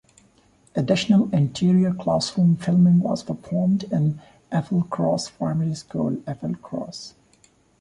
Additional interior classroom filming was performed in Applecross Primary School, Applecross.